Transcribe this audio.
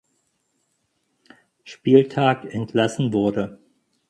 Spieltag entlassen wurde.